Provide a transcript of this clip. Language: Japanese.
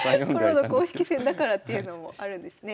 プロの公式戦だからというのもあるんですね。